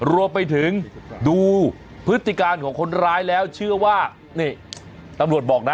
รวมไปถึงดูพฤติการของคนร้ายแล้วเชื่อว่านี่ตำรวจบอกนะ